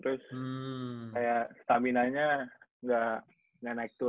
terus kayak stamina nya gak naik tuh